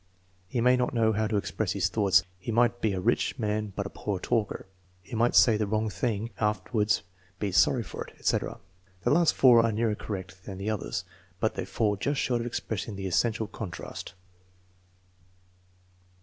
"He may not know how to express his thoughts." "He might be a rich man but a poor talker." "He might say the wrong thing and after wards be sorry for it," etc. (The last four are nearer correct than the others, but they fall just short of expressing the essential contrast.)